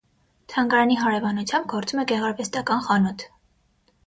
Թանգարանի հարևանությամբ գործում է գեղարվեստական խանութ։